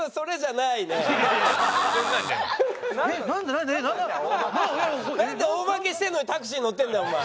なんで大負けしてるのにタクシー乗ってるんだよお前。